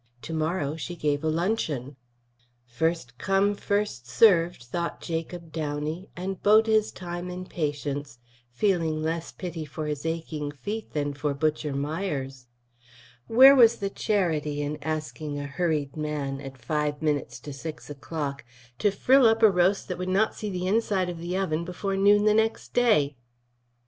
To morrow she gave a luncheon. "First come first served," thought Jacob Downey, and bode his time in patience, feeling less pity for his aching feet than for Butcher Myers. Where was the charity in asking a hurried man at five minutes to six o'clock to frill up a roast that would not see the inside of the oven before noon next day?